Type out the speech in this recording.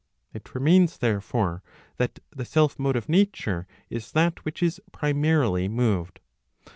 It remains therefore, that the self motive nature is that which is primarily moved.